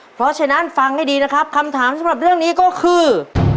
เพราะฉะนั้นฟังให้ดีนะครับคำถามสำหรับเรื่องนี้ก็คือ